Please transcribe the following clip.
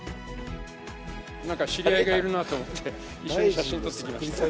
なんか知り合いがいるなと思って、一緒に写真撮ってきました。